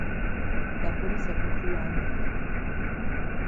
La police a conclu à un meurtre..